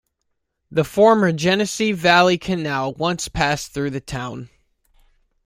The former Genesee Valley Canal once passed through the town.